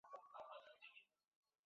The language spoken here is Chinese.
救救我啊！